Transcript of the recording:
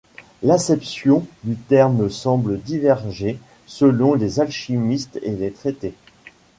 L'acception du terme semble diverger selon les alchimistes et les traités.